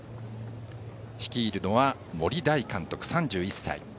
率いるのは森大監督、３１歳。